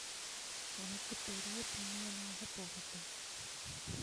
உனக்குப் பெரிய புண்ணியமாகப் போகட்டும்.